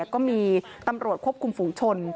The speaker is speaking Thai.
ก็มีตำรวจควบคุมฝูงชน